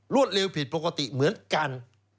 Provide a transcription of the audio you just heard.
วดเร็วผิดปกติเหมือนกัน